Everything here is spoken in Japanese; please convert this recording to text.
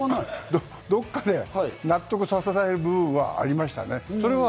どっかで納得させたい部分はありましたね。